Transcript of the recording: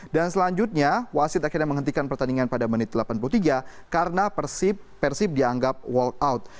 dan selanjutnya wasit akhirnya menghentikan pertandingan pada menit delapan puluh tiga karena persib dianggap walk out